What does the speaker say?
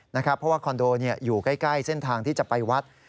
เพราะว่าคอนโดอยู่ใกล้เส้นทางที่จะไปวัด